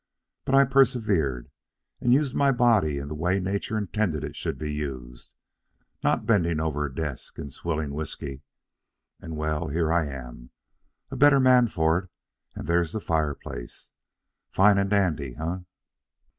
But I persevered, and used my body in the way Nature intended it should be used not bending over a desk and swilling whiskey... and, well, here I am, a better man for it, and there's the fireplace, fine and dandy, eh?